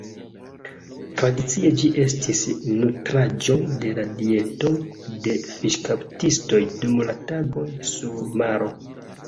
Tradicie ĝi estis nutraĵo de la dieto de fiŝkaptistoj dum la tagoj sur maro.